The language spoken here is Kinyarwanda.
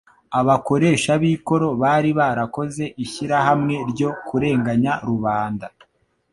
Abakoresha b'ikoro bari barakoze ishyirahamwe ryo kurenganya rubanda